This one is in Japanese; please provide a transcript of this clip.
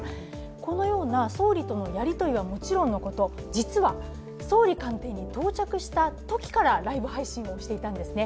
このような総理とのやり取りはもちろんのこと実は、総理官邸に到着したときからライブ配信をしていたんですね。